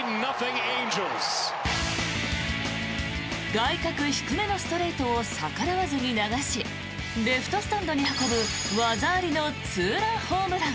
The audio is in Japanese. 外角低めのストレートを逆らわずに流しレフトスタンドに運ぶ技ありのツーランホームラン。